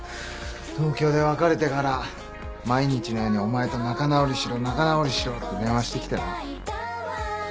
東京で別れてから毎日のようにお前と仲直りしろ仲直りしろって電話してきてな。